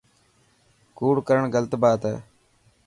ڪوڙ ڪرڻ غلط بات هي.